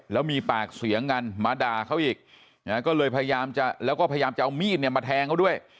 แล้วมีปากเสียงกันมาด่าเขาอีกก็เลยพยายามจะแล้วก็พยายามจะเอามีดเนี่ยมาแทงเขาด้วย